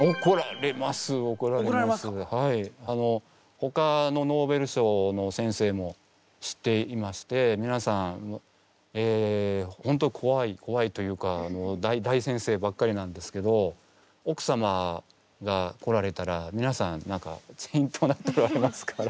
ほかのノーベル賞の先生も知っていましてみなさんホントこわいこわいというか大先生ばっかりなんですけど奥様が来られたらみなさんけんきょになっておられますから。